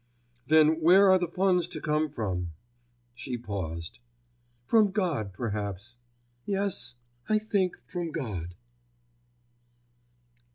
"Then where are the funds to come from?" She paused. "From God, perhaps. Yes, I think from God."